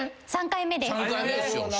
３回目です。